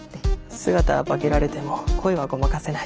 姿は化けられても声はごまかせない。